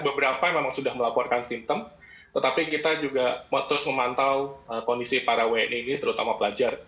beberapa memang sudah melaporkan simptom tetapi kita juga terus memantau kondisi para wni ini terutama pelajar